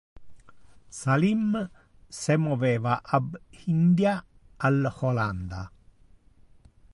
Salim se moveva ab India al Hollanda.